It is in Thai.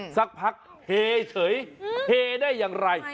สักพักเฮเฉยเฮได้อย่างไร